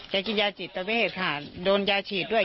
กินยาจิตเวทค่ะโดนยาฉีดด้วย